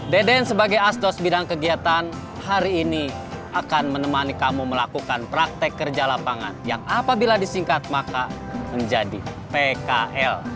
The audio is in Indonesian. deden sebagai astos bidang kegiatan hari ini akan menemani kamu melakukan praktek kerja lapangan yang apabila disingkat maka menjadi pkl